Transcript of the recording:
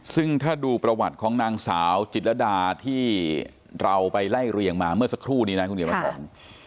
ซึ่งถ้าดูประวัติของนางสาวจิตรดาที่เราไปไล่เรียงมาเมื่อสักครู่นี้นะคุณเดี๋ยวมาสอน